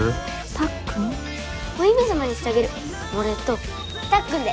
たっくん？お姫様にしてあげる俺とたっくんで。